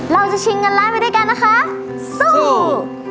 ชิงเงินล้านไปด้วยกันนะคะสู้